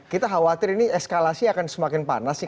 kita khawatir ini eskalasi akan semakin panas ya